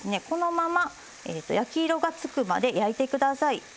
このまま焼き色がつくまで焼いてください。